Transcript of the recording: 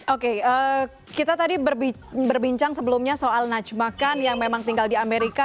oke kita tadi berbincang sebelumnya soal najmakan yang memang tinggal di amerika